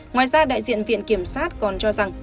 ngoài ra đại diện viện kiểm sát còn cho rằng